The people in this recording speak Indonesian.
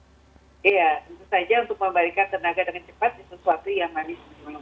tentu saja untuk memberikan tenaga dengan cepat sesuatu yang manis